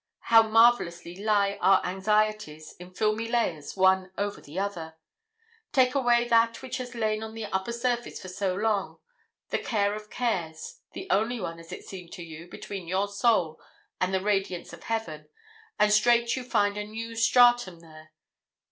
How marvellously lie our anxieties, in filmy layers, one over the other! Take away that which has lain on the upper surface for so long the care of cares the only one, as it seemed to you, between your soul and the radiance of Heaven and straight you find a new stratum there.